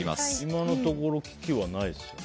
今のところ危機はないですね。